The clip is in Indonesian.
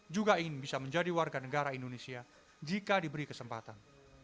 juga ingin bisa menjadi warga negara indonesia jika diberi kesempatan